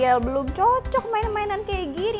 kecil belum cocok mainan mainan kayak gini